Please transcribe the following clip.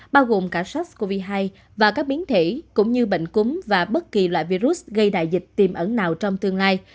bao gồm cả sars cov hai và các biến thể cũng như bệnh cúm và bất kỳ loại virus gây đại dịch tiềm ẩn nào trong tương lai